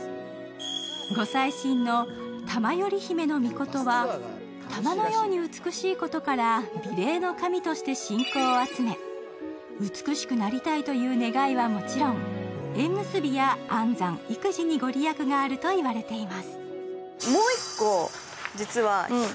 ご祭神の玉依姫命は、玉のように美しいことから美麗の神として信仰を集め美しくなりたいという願いはもちろん、縁結びや安産・育児に御利益があるといわれています。